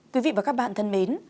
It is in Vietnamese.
quý vị và các bạn thân mến